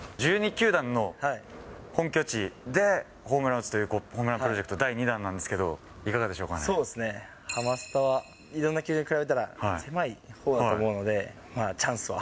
１２球団の本拠地でホームランを打つというホームランプロジェクト第２弾なんですけど、そうっすね、ハマスタはいろんな球場に比べたら、狭いほうだと思うので、まあ、チャンスは。